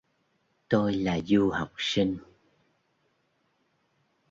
tôi là du học sinh